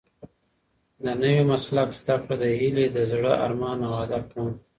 د نوي مسلک زده کړه د هیلې د زړه ارمان او هدف نه و.